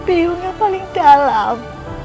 biung yang paling dalam